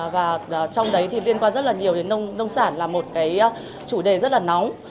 và trong đấy liên quan rất nhiều đến nông sản là một chủ đề rất nóng